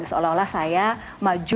seolah olah saya maju